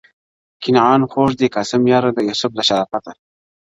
کنعان خوږ دی قاسم یاره د یوسف له شرافته,